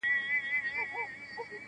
نه یې ختم تر مابین سول مجلسونه-